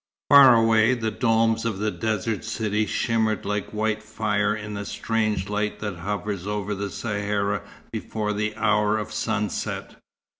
Far away the domes of the desert city shimmered like white fire in the strange light that hovers over the Sahara before the hour of sunset.